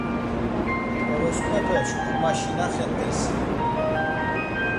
Orosp̌epe şǩu maşinaxet̆esi!